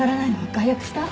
解約した？